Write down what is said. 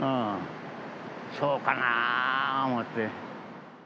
そうかなあ思うて。